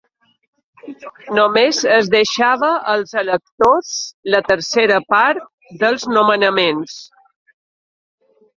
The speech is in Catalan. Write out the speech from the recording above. Només es deixava als electors la tercera part dels nomenaments.